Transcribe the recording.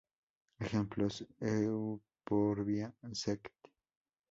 Ejemplos: "Euphorbia" sect.